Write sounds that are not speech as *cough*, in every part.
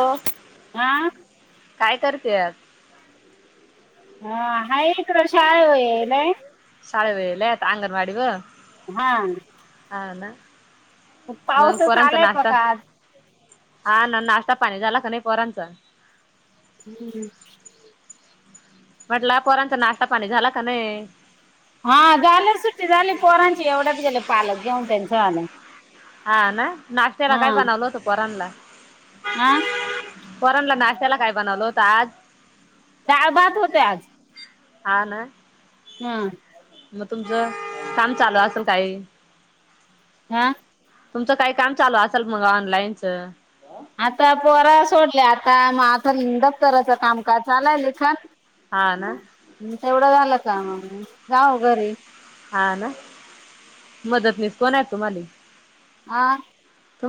हो हा काय करते आत हा हाय इकडं शाळेवं येय नाय. शाळे वेळलात अंगणवाडी व हा हा ना म पाऊसच पोरांचा आलाय नाष्टा बघा आज हा ना, नाश्ता पाणी झाला का नाही पोरांचा? हम्म म्हटला पोरांचा नाष्टा पाणी झाला का नाही? हा झालं सुट्टी झाली पोरांची एवढंच गेले पालक घेऊन त्यांच झालं. हा ना नाश्त्याला काय बनावलं होतं पोरांनला? हा पोरांनला नाष्टाला काय बनावलं होतं आज? डाळ भात होते आज. हा ना माय म तुमचं काम चालू असेल काही हा तुमचं काही काम चालू असेल मग ऑनलाईनचं आता पोरा सोडली आता म आता दफ्तराचं कामकाज चाललाय लिखाण हा ना तेवढं झालं का म जाव घरी हा ना. मदतनीस कोणय तुम्हाली? आ.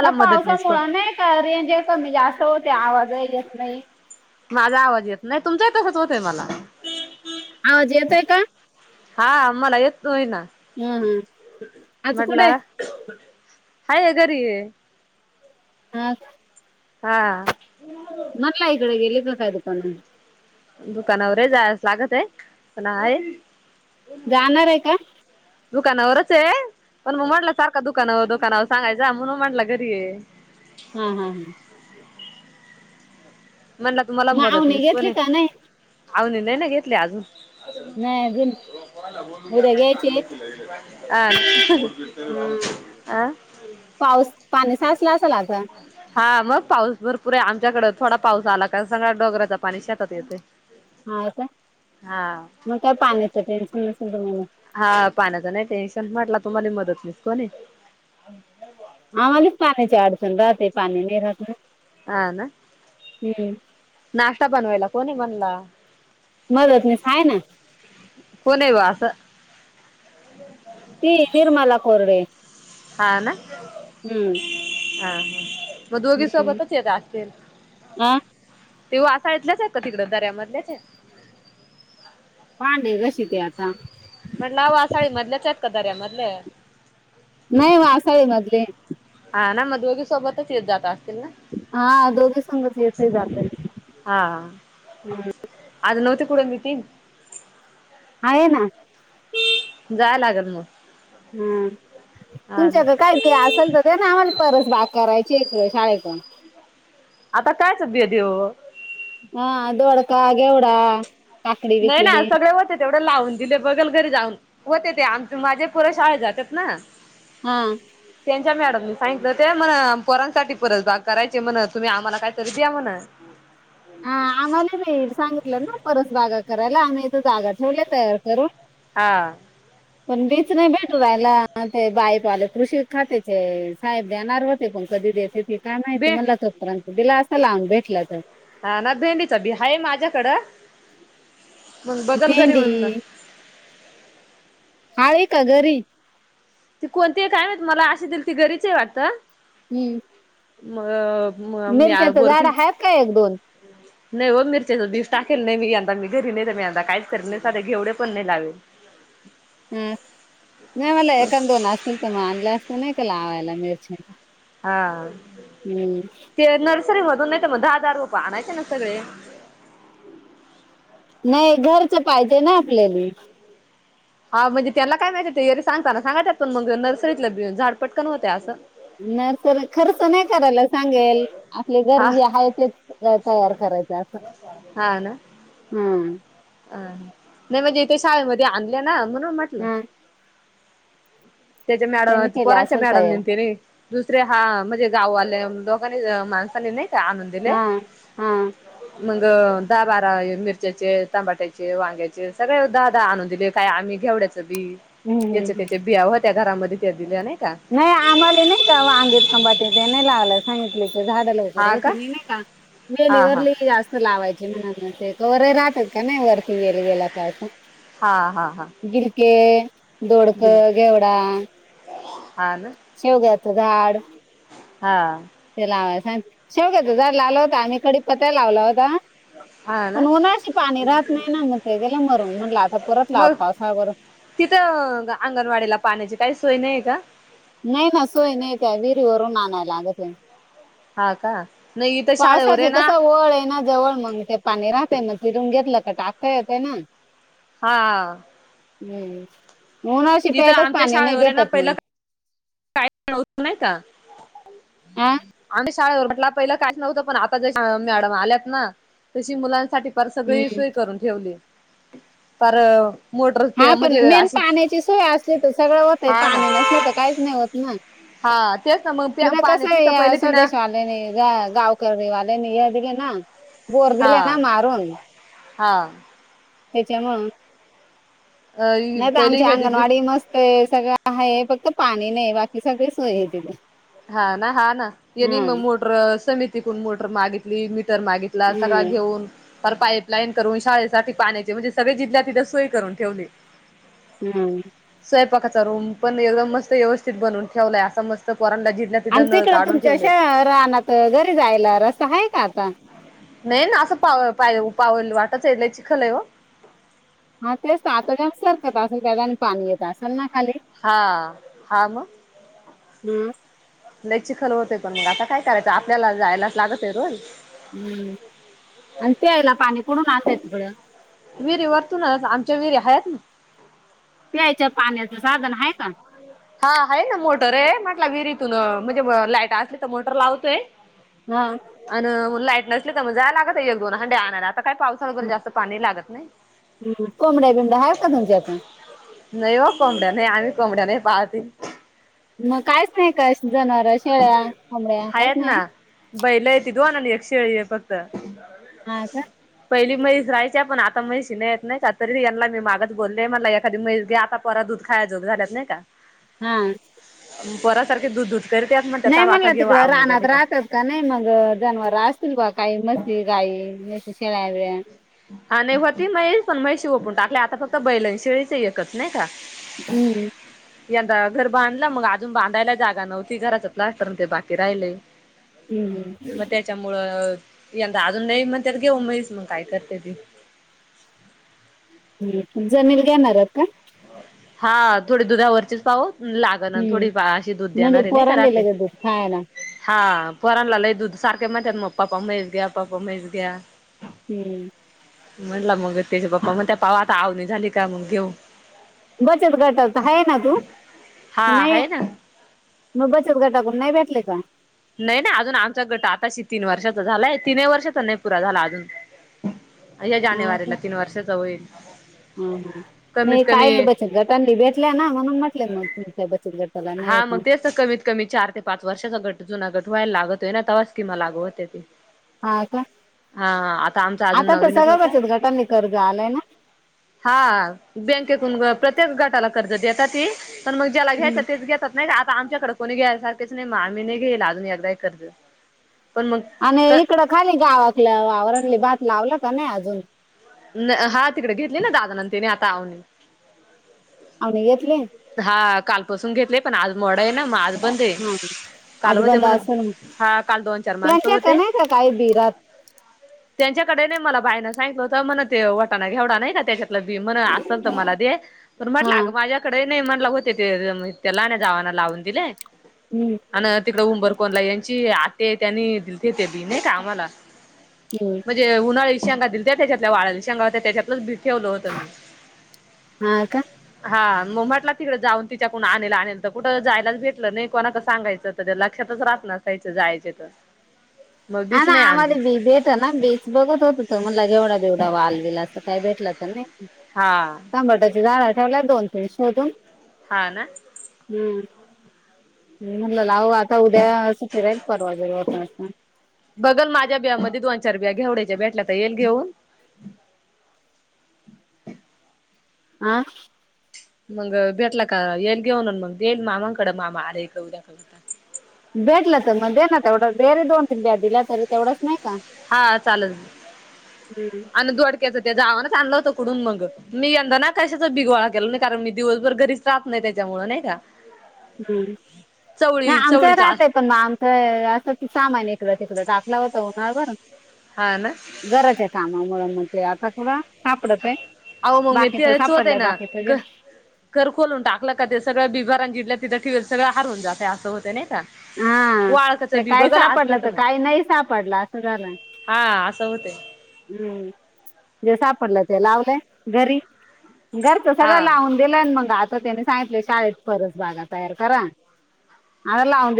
ह्या मदतनीस कोण पावसामुळ नाही का, रेंज कमी- जास्त होते. आवाजय येत नाही. माझा आवाज येत नाही. तुमचाही तसच होतंय मला. आवाज येतय का? हा मला येतोय ना. हम्म हम्म आज कुठे म्हटलं हाय घरी. आता. हा. *unintelligible* मनलं इकडं गेले का काय दुकानाउन. दुकानावरय जावाच लागतय. पण आहे. जाणारय का? दुकानावरचय. पण मग म्हटलं, सारखं दुकानं -दुकानावरं सांगायचा. म्हणून मग म्हटलं घरीय. हम, हम, हम. म्हणला तुम्हाला मावणी मदतनिस घेतली कोणय? का नाही अवून नाही ना घेतले अजून. नाही अजून उद्या घ्यायची हा *unintelligible* आं. पाऊस- पाणी सासल असेल आता? हा. मग पाऊस भरपूरे आमच्याकड. थोडा पाऊस आला का, सगळ्या डोगराचा पाणी शेतात येतय. हा, का. मग काय पाण्याचं टेन्शन नसल तुम्हाला. हा, पाण्याचा नाही टेन्शन. म्हटला तुम्हाला मदतनिस कोणय? आम्हाली पाण्याची अडचण राहते. पाणी नाही राहत ना. हा, ना. हम्म. नाष्टा बनवायला कोणी मनला. मदतनिस हा ना. कोनय वा असं? ती निर्मला कोरडे. हा, ना. हम्. हा, हा. मग दोघी सोबतच येत असतील. आ? ती वासाळतल्याचयत का? तिकडं दऱ्यामधल्याचय. भांडी घाशीते आता. म्हणल वासाळी मधल्याचयत का, दऱ्यामधल? नाही, वासाळी मधले. हा, ना. मग दोघी सोबतच येत- जात असतील ना? हा दोघी संगच येतय - जातय. हा. आज नवती कुठ, मीटिंग? आहे ना. जाया लागल मग? हम्. हा ना तुमच्याक काय असल तर दे ना, आम्हाला. परस बाग करायची एक शाळेेकड. आता कायच बी देवू? अ दोडका, घेवडा. काकडी नाही ना. बिकडी सगळ ते, तेवढं लावून दिले. बगल घरी जाऊन. होते ते आमचे माझ्या पुर शाळेत जातात ना. हा. त्यांच्या मॅडमनी सांगितलं. ते म्हणं, पोरांसाठी परस बाग करायचे म्हणं. तुम्ही आम्हाला काय तरी द्या म्हणं. हा. आम्हाला बी सांगितलं ना, परस बागा करायला. आम्ही इथ जागा ठेवल्या तयार करून. हा. पण बीच नाही भेटू राहिला. ते बाईपाआले कृषी खात्याचे साहेब देणार होते पण कधी देते ती काय माहिती बे म्हणल तोपर्यंत दिला असं लावून भेटलं तर. हा ना भेंडीच बी हाय माझ्याकडं. मग बघल घरी भेंडी म्हणून हाय का घरी? ती कोणती काय माहित मला अशी दिलती गरीच आहे वाटतं. हम्म. म. मी मिरच्याच झाड बोरखंड आहेत का एक दोन? *inaudible* नाही हो मिरच्याचं बीच टाकेल नाही मी यदां मी घरी नाही तर मी काहीच करेल नाही साधे गेवडे पण नाही लावेल. *inaudible* हा नाही म्हणलं एखादं दोन असतील त म आनले असत नाही का लावायला मिरची. हा ते नर्सरीमधून नाईत म दहा दहा रोप आणायचे ना सगळें. नाही घरचे पाहिजे ना आपल्याले. हा म्हणजे त्याला काय माहितीय ते येरी सांगताना सांगा ता पण मग नर्सरीतला झाड पटकन होत्या असं. नर्सरी खरच नाहीं की करायलस? सांगेल आपले हा घरीजे आहे तेच तयार करायचं असं. हम्म. अ नाही म्हणजे इथे शाळेमध्ये आणले ना म्हणून म्हटलं. हा त्याच्या मॅडम त्याने केलं पोरांच्या असेल तयार मॅडमनी न त्यानी. दुसरे हा म्हणजे गाववाले दोघांनी माणसाने नाही का आणून दिले हां हां. मग दहा बारा मिरच्याचे तमाट्याचे वांग्याचे सगळे दहा दहा आणून दिलेत. काय आम्ही घेवड्याचं बी हम्म हम्म याच्या हम्म. त्याच्या बिया व्हत्या घरामध्ये त्या दिल्या नाही का व्हंय आम्हाले नाही कां वांगे टमाटे देन लावला अ नाई म्हटलं त झाड लवकर होती ही नाई का वेली हा हा वरली लई असती. लावायचे म्हणून ते का वरे राहतात का नाही वरती वेल गेला की आस. हा हा हा. गिलके, दोडक, गिरी घेवडा हा ना. शेवग्याच झाड. हा ते ला सांग शेवग्याच्या झाडं लावल होता आम्ही कडीपत्ता लावला होता. हा ना पण उनाशी पाणी राहत नाही ना मग ते गेले मरून म्हटलं आता परत लाव मग पावसा भर तिथं अंगणवाडीला पाण्याची काही सोय नाही का? नाही ना सोय नाही काही विहिरीवररून आणाला लागतेय. हा का नाही इथं शाळेवर आहे पावसाचे कस ना वळ आहे ना. जवळ मग ते पाणी राहतय मग फिरून घेतलं त टाक येते ना. हा. बरोबर म्हून अशी इथं प्यायलाच पाणी नाही भेटत मगं. पाईप लावून नाही का हा आम्ही शेव शाळेवर म्हटल्या पहिला का च ना उद्या पण आता ज मॅडम आल्यात ना तशी मुलांसाठी तर सगळी हम्म सोय करून ठेवली तर हा पण मेन पाण्याची सोय असली तर सगळं होतय हा ना पाणी नसलं तर काहीच नाही होत ना. हा तेच ना मग त्या पाण्याची त पहिले तिनं त्यानी गा गावकरी वाल्यांनी हे दिले ना. बोर दिलं ना हा मारून हा त्याच्यामुळ. अ नाही त पहिले आमची हे दिली अंगणवाडी मस्त आहे सगळं आहे फक्त पाणी नाही बाकी सगळी सोय आहे तिथे. हा ना हा ना यांनी मग हम्म मोटर समितीकून मोटर मागितली मीटर मागितला सगळा हम्म घेऊन पार पाईपलाईन करून शाळेसाठी पाण्याचे म्हणजे सगळे जिथल्या तिथे सोय करून ठेवली. *inaudible* हम्म. स्वयपाकाचा रूम पण एकदम मस्त व्यवस्थित बनवून ठेवलाय असा मस्त पोरांला झिण्या आणि तिकडं तुमच्या अशा राहनात घरी जायला रस्ता आहे का आता? नाही ना असं पाव पाव पाऊल वाटचय लय चिखलय आहे ओ. हा तेच आता जास्त सरकत असेल त्या आणि पाणी येत असेल ना खाली. हा हा मग. हम्म. लय चिखल होतेय त मग आता काय करायचं आपल्याला जायलाच लागते रोज. हम्म आणि प्यायला पाणी कुडुन आणत्यात तीकडं? विहिरी वरतूनच आमच्या विहिरी आहेत ना. प्यायच्या पाण्याच साधन हाय का? हा हाय ना मोटर य म्हटला विहिरीतून म्हणजे लायट असली तर मोटर लावतोय. हा. अन लाईट नसली तर म जायला लागत एक दोन हंडे आणायला आता काय पाऊस *unintelligible* जास्त पाणी लागत नाही. हम्म. कोंबड्या बिंबड्या आहेत का तुमच्याकडं नाही हो कोंबड्या नाही आम्ही कोंबड्या नाही पाळती. मग काहीच नाही काश जनावर शेळ्या कोंबड्या आहेत काहीच नाही. ना बैल आहेती दोन आणि एक शेळी आहे फक्त. हा का. पहिली मैस राहायच्या पण आता मैशी नाही येत नाही का तरी यांना मी मागच बोलले की एखादी मैस घ्या आता पोरा दूध खायजोग झाल्यात नाही का. हा. पोरा सारखे दूध दूध करत्यात म्हणत नाही थांब आता म्हणलं घेऊ तिकडं आवनी रानात झाली का. राहतात का नाही मग जनवार असतील का बा काही मशी गाई मशी शेळ्या बिळ्या. हा नाही होती म्हैस पण म्हशी वपुण टाकल्या आता फक्त बैलअन शेळीचय एक. तस नाही का. हम्म, यंदा घर बांधला मग अजून बांधायला जागा नव्हती घराच प्लास्टर ते बाकी राहिलय. हम्म हम्म. मग त्याच्यामुळं यंदा अजून नाही म्हणता घेऊ म्हैस मग काय करता ते. जमील घेणार यत का? हा थोडी दुधावरचीच पाहू लाग ना हम्म. थोडी अशी दूध म्हणजे देणारे नाही का पोरांनी रहाते. लगेच दूध खायला हा पोराला लई दुध सारखे म्हणत्यात मग पाप्पा म्हैस घ्या पाप्पा म्हैस घ्या. हम्म. म्हणला मग त्याचे पप्पा म्हणत्या पाव आता आवनी झाली का मग घेऊ. बचत गटात हाय ना तू हा का नाही य? आहे ना. मग बचत गटाकडून नाही भेटले का? नाही नाही अजून आमचा गट आताशी तीन वर्षाचा झालाय तीनही वर्षाचा नाही पुरा झाला अजून. या हा का जानेवारीला तीन वर्षाच होईल कमीत कमी त्यांनी भेटल्या ना म्हणून म्हटले मग तुमच्या बचत गटाला नाही ये हा का? मग तेच कमीत कमी चार ते पाच वर्षाचा गट जुना गट व्हायला लागतोय ना तवा स्कीमा लागु होत्याय ते. हा का हा हा आता आमचा अजून आता तर नवीनच सगळ्या होता. बचत गटांनी कर्ज आलंय ना हा बँकेतून प्रत्येक गटाला कर्ज देता ते पण मग ज्याला घ्यायच हम्म. त्या तेच घेतात नाही का आता आमच्याकडे कोणी घ्याय सारखेच नाही आम्ही नाही घेईल अजून एकदा कर्ज पण म आणि इकडं खाली गावातलं वावरले भात लावलं का नाही अजून? ना हा तिकडे घेतली ना दादाना त्याने आहो नीं. आवणी घेेतली? हा कालपासून घेतले पण आज मड आय ना मग आज बंदय. हा काल आज होते बंद म्हणत असेल हा काल दोन चार माणस त्याच्या का होते. नाही का काही बिरात त्यांच्याकडे नही मला बाईनं सांगितलं होत म्हण ते वटाणा घेवडा नाही का त्याच्या त बी म्हण असेल त मला दे पण म्हटल हा आग माझ्या नाही म्हणला होते ते लाहान्या गावाना लावून दिले. हम्म. हा न तिकडं उंबरकोणला यांची आत्येय त्या नाई येतील. तिथे बी नाही का आम्हाला हम्म म्ह जे उन्हाळी शेंगा दिलत्या तेच्यातल्या वाळल शेंगा होत्या त्याच्यातलच बी ठेवलं होत मी हा का हां. म म्हटलं तिकडे जाऊन तिच्या कूण आणेल आणेलं त कुठं जायलाच भेटलं नाई, कोणाक सांगायचं त ते लक्षातच राहत ना यायचं जायचे त. हा ना आम्हाले बी बी येत ना बी. बघत होत त म्हणला घेवडा बिवडा वालबिल असं काय भेटला त नाई. हां. टबांट्याची झाडं ठेवल्यात दोन तीन शोधून. हा ना. हम्म. हम्म म्हणलं लावू आता उद्या अ सुट्टी राहिल परवा जावू आता असं. बघल माझ्या बिया मध्ये दोन चार बिया घेवडाच्या भेटल्या त येईन घेऊन. आं. मगं भेटला का एक घेऊन अन मगं देईन मामांकड, मामा आले इकडं उद्या का. भेटलं त मग दे ना तेवढं बेरी दोन तीन बिया दिल्या तर तेवढंच नाही कां. हा चालल आण दोडक्याच त्या जावानच आणलं होतं कुडून मगं अ. मी यंदा ना कशाचच बी गोळा केल नाई, कारण मी दिवसभर घरीच राहत नाई त्याच्यामुळ नाही कां. हम्म नाई आमचई चवळीचा राहतेत. पण म आमचं अ असं सामान इकडं तिकड टाकला होत उन्हाळभरून हा ना. घराच्या कामामुळ म ते आत *unintelligible* सापडतय अहो मग मी बाकीच तेच होतय सापडलंय ना बाकीच ग गेलं. घर खोलून टाकलं का ते, सगळं बिबारण जिथल्या तिथं ठिवेल सगळं हारून जातयं असं होतय नाही कां. हां ते काय सापडलं त काय नाई सापडलं असं झालं. हां असं होतयं. हम्म जे सापडलयं ते लावलंय घरी घरच सगळं हा लावून दिलंय न मगं आता त्यानी सांगितलंय शाळेत परस बागा तयार करा आता लावून बी